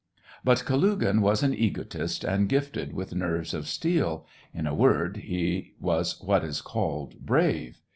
But Kalugin was an egotist and gifted with nerves of steel ; in a word, he was what is called brave.